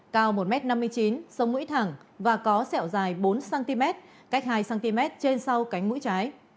cao một m năm mươi chín sông mũi thẳng và có sẹo dài bốn cm cách hai cm trên sau cánh mũi trái